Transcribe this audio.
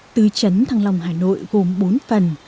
tư chấn thăng long hà nội gồm bốn phần